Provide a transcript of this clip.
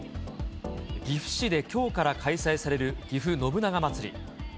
岐阜市できょうから開催される、ぎふ信長まつり。